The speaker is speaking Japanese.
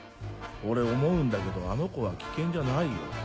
俺思うんだけどあの子は危険じゃないよ。